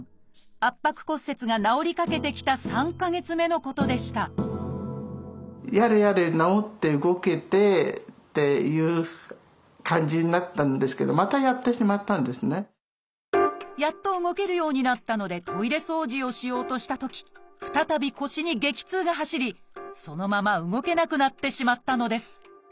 圧迫骨折が治りかけてきた３か月目のことでしたやっと動けるようになったのでトイレ掃除をしようとしたとき再び腰に激痛が走りそのまま動けなくなってしまったのです。